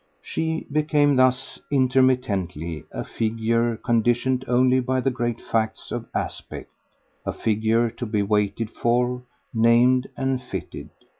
She became thus, intermittently, a figure conditioned only by the great facts of aspect, a figure to be waited for, named and fitted.